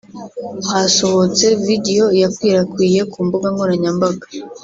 Hasohotse video yakwirakwiye ku mbuga nkoranyambaga